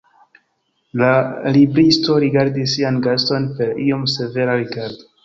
La libristo rigardis sian gaston per iom severa rigardo.